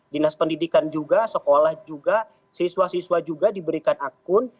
dinas pendidikan juga sekolah juga siswa siswa juga diberikan akun